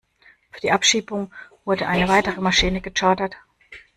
Für die Abschiebung wurde eine weitere Maschine gechartert.